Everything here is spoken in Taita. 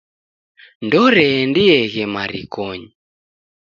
Ndooreendieghe marikonyi.